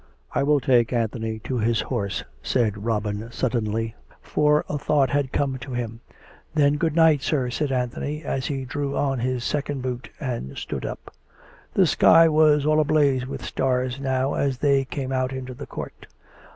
" I will take Anthony to his horse," said Robin suddenly, for a thought had come to him. " Then good night, sir," said Anthony, as he drew on his second boot and stood up. The sky was all ablaze with stars now as they came out into the court.